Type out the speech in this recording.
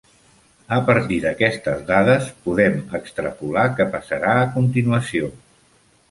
A partir d'aquestes dades podem extrapolar què passarà a continuació.